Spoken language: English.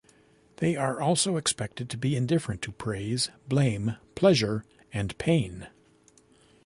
They are also expected to be indifferent to praise, blame, pleasure, and pain.